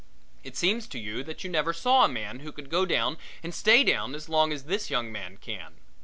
It seems to you that you never saw a man who could go down and stay down as long as this young man can.